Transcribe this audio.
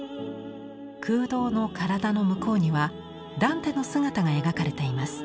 空洞の体の向こうにはダンテの姿が描かれています。